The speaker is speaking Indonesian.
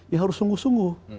ya harus sungguh sungguh